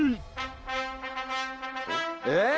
・えっ？